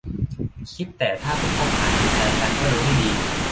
คิดแต่ถ้าเพิ่งคบหาดูใจก็ดูกันให้ดี